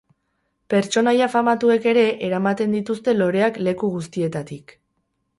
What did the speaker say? Pertsonaia famatuek ere, eramaten dituzte loreak leku guztietatik.